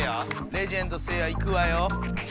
レジェンドせいやいくわよ！